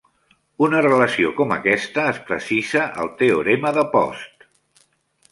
Una relació com aquesta es precisa al teorema de Post.